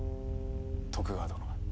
徳川殿。